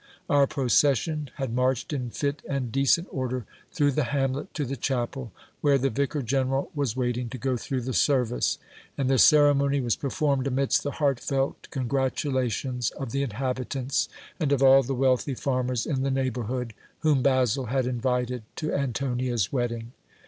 Our procession had marched in fit and decent order through the hamlet to the chapel, where the vicar general was waiting to go through the service ; and the ceremony was performed amidst the heartfelt congratulations of the inhabitants, and of all the WEDDING OF GIL BIAS AND ANTONIA. 361 wealthy farmers in the neighbourhood, whom Basil had invited to Antonia's wedding.